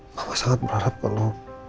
mama sangat berharap kalo